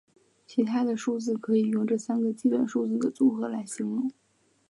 其他的数字可以用这三个基本数字的组合来形容。